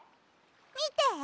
みて！